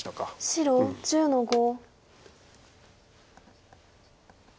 白１０の五。